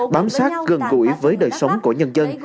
bám sát gần gũi với đời sống của nhân dân